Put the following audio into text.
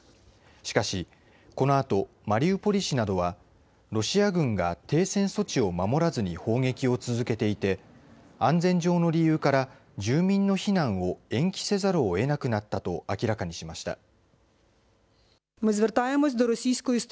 しかし、このあとマリウポリ市などはロシア軍が停戦措置を守らずに砲撃を続けていて安全上の理由から住民の避難を延期せざるを得なくなったと明らかにしました。